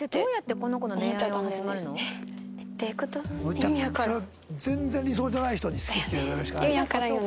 むちゃくちゃ全然理想じゃない人に「好き」って言われるしかないよ。